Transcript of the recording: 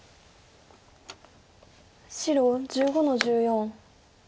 白１５の十四。